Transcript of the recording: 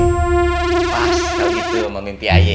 pas kalau gitu mau mimpi ayek